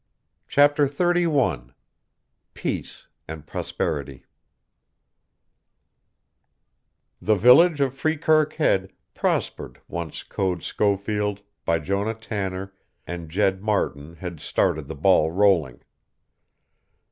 CHAPTER XXXI PEACE AND PROSPERITY The village of Freekirk Head prospered once Code Schofield, Bijonah Tanner, and Jed Martin had started the ball rolling.